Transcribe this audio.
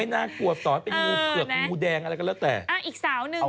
นักกลัวต่อเป็นงูเผือกงูแดงอะไรก็แล้วแต่